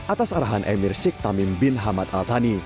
atas arahan emir sheikh tamim bin hamad al thani